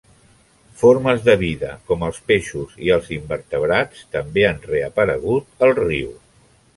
Formes de vida com els peixes i invertebrats també han reaparegut al riu.